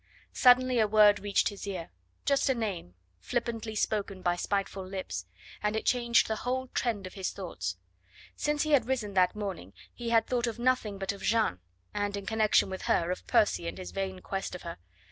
Suddenly a word reached his ear just a name flippantly spoken by spiteful lips and it changed the whole trend of his thoughts. Since he had risen that morning he had thought of nothing but of Jeanne, and in connection with her of Percy and his vain quest of her.